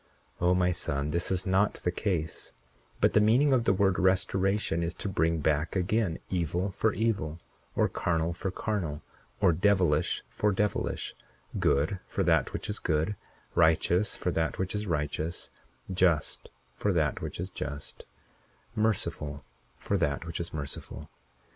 41:13 O, my son, this is not the case; but the meaning of the word restoration is to bring back again evil for evil, or carnal for carnal, or devilish for devilish—good for that which is good; righteous for that which is righteous; just for that which is just; merciful for that which is merciful.